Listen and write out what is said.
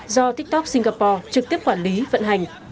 do tiktok singapore trực tiếp quản lý vận hành